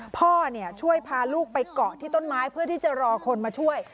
พ่อช่วยพาลูกไปเกาะที่ต้นไม้เพื่อที่จะรอคนมาช่วย